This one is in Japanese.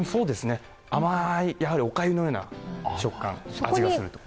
甘い、おかゆのような食感、味がすると。